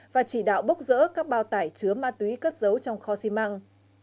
và chỉ đạo bốc rỡ các bao tải chứa ma túy cất dấu trong kho xi măng